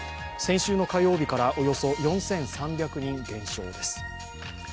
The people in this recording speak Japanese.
先週の火曜日からおよそ４３００人減少です。